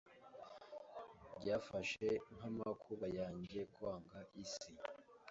byafashe nk'amakuba yaje kwanga isi